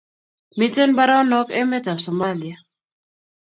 Miten mbaronok emet ab Somalia